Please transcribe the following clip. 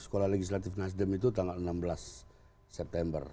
sekolah legislatif nasdem itu tanggal enam belas september